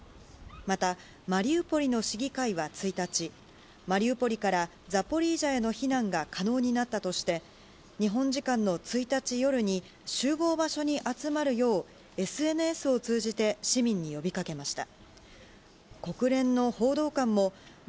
また、マリウポリの市議会は１日、マリウポリからザポリージャへの避難が可能になったとして、日本時間の１日夜に、集合場所に集まるよう、ＳＮＳを通じて市民に呼びかけました。